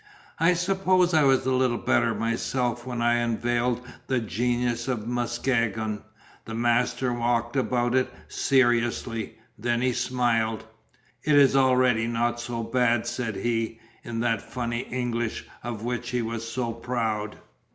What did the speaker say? I suppose I was little better myself when I unveiled the Genius of Muskegon. The master walked about it seriously; then he smiled. "It is already not so bad," said he, in that funny English of which he was so proud.